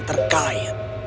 tapi kucing itu tidak mau